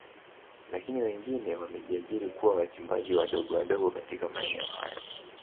Lakini wengine wamejiajiri kuwa wachimbaji wadogo wadogo katika maeneo hayo